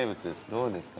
どうですか？